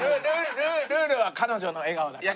ルールは彼女の笑顔だから。